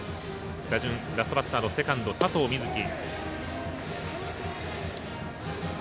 打順、ラストバッターのセカンド、佐藤瑞祇。